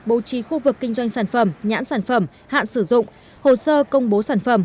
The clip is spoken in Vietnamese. bố trí khu vực kinh doanh sản phẩm nhãn sản phẩm hạn sử dụng hồ sơ công bố sản phẩm